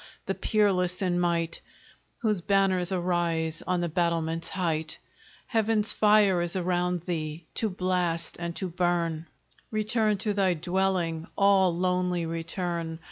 the peerless in might, Whose banners arise on the battlements' height, Heaven's fire is around thee, to blast and to burn; Return to thy dwelling! all lonely return!